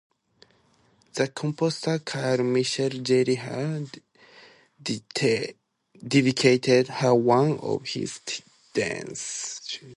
The composer Karl Michael Ziehrer dedicated her one of his dances.